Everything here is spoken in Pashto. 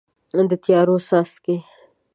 د تیارو څاڅکي